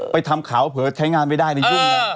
ไปทำขาวเผลอใช้งานไม่ได้นี้